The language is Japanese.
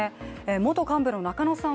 元幹部の中野さん